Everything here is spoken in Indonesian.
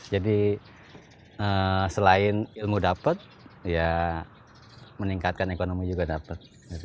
jadi selain ilmu dapat ya meningkatkan ekonomi juga dapat